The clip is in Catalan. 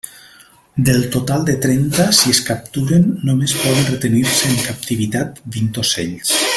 Del total de trenta, si es capturen, només poden retenir-se en captivitat vint ocells.